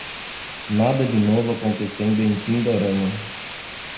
Nada de novo acontecendo em Pindorama